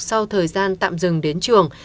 sau thời gian tạm dừng đến trường